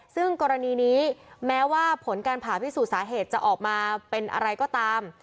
ซึ่งกรณีนี้แม้ว่าผลการผ่าพิสูจน์สาเหตุจะออกมาเป็นอะไรก็ตาม